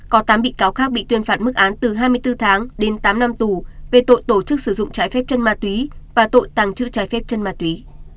có tám bị cáo khác bị tuyên phạt mức án từ hai mươi bốn tháng đến tám năm tù về tội tổ chức sử dụng trái phép chân ma túy và tội tàng trữ trái phép chân ma túy